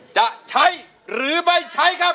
จะใช้หรือไม่ใช้ครับ